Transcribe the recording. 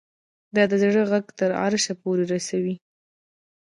دا د زړه غږ تر عرشه پورې رسوي